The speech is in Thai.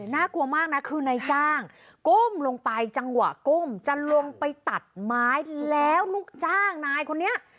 น่ากลัวมากนะคือนายจ้างก้มลงไปจังหวะก้มจะลงไปตัดไม้แล้วลูกจ้างนายคนนี้